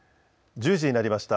１０時になりました。